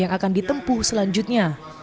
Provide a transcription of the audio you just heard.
yang akan ditempuh selanjutnya